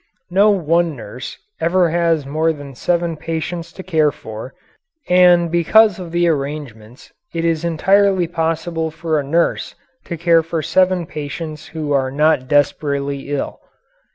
No one nurse ever has more than seven patients to care for, and because of the arrangements it is easily possible for a nurse to care for seven patients who are not desperately ill.